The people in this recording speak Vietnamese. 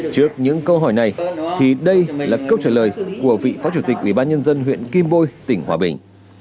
trước những câu hỏi này thì đây là câu trả lời của vị phó chủ tịch ubnd huyện kim bôi tỉnh hòa bình